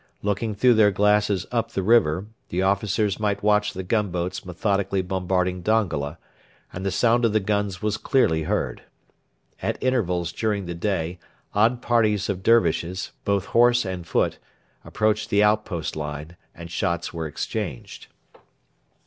Looking through their glasses up the river, the officers might watch the gunboats methodically bombarding Dongola, and the sound of the guns was clearly heard. At intervals during the day odd parties of Dervishes, both horse and foot, approached the outpost line and shots were exchanged.